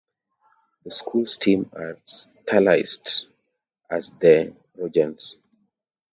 The schools teams are stylized as the Trojans.